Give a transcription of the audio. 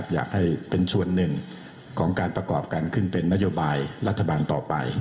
อยากให้เป็นส่วนหนึ่งของการประกอบการขึ้นเป็นนโยบายรัฐบาลต่อไป